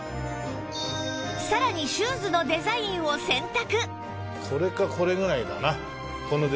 さらにシューズのデザインを選択